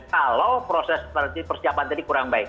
kalau proses persiapan tadi kurang baik